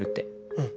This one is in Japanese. うん。